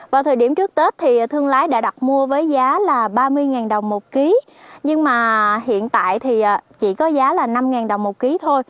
vào thời điểm trước tết thì thương lái đã đặt mua với giá là ba mươi đồng một ký nhưng mà hiện tại thì chỉ có giá là năm đồng một ký thôi